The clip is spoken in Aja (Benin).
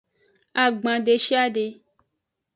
Agban deshiade.